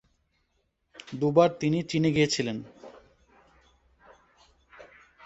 দুবার তিনি চিনে গিয়েছিলেন।